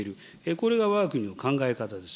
これがわが国の考え方です。